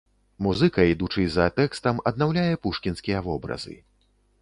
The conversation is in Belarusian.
Музыка, ідучы за тэкстам, аднаўляе пушкінскія вобразы.